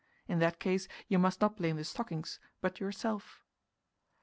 In that case you must not blame the stockings, but yourself.